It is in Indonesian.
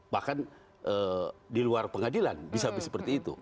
bahkan di luar pengadilan bisa seperti itu